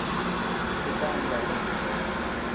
Bitangbalini.